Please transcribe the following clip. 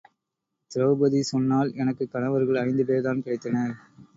திரெளபதி சொன்னாள் எனக்குக் கணவர்கள் ஐந்துபேர்தான் கிடைத்தனர்.